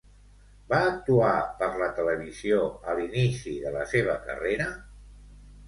Va actuar per la televisió a l'inici de la seva carrera?